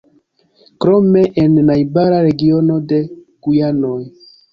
Krome en najbara regiono de Gujanoj.